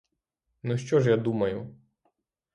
Ну що ж я думаю?